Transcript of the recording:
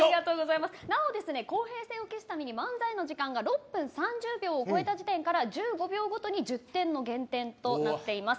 公平性を期すために漫才の時間が６分３０秒を超えた時点から１５秒ごとに１０点の減点となっています。